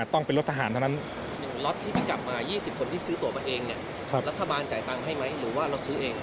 รัฐบาลจ่ายตังค์ให้ไหมหรือว่าเราซื้อเอง